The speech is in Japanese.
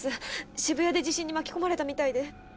渋谷で地震に巻き込まれたみたいで。